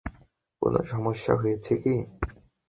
কোনো সমস্যা হয়েছে কী?